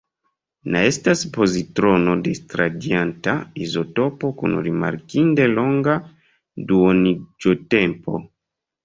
Na estas pozitrono-disradianta izotopo kun rimarkinde longa duoniĝotempo.